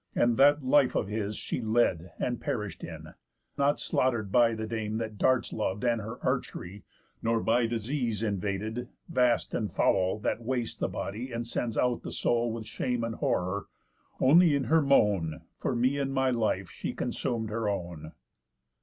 And that life of his She led, and perish'd in; not slaughter'd by The Dame that darts lov'd, and her archery; Nor by disease invaded, vast and foul, That wastes the body, and sends out the soul With shame and horror; only in her moan, For me and my life, she consum'd her own.